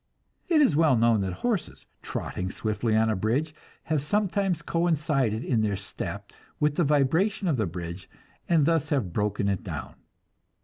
It is well known that horses, trotting swiftly on a bridge, have sometimes coincided in their step with the vibration of the bridge and thus have broken it down.